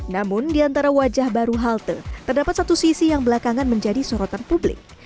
namun di antara wajah baru halte terdapat satu sisi yang belakangan menjadi sorotan publik